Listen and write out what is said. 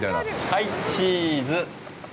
はい、チーズ！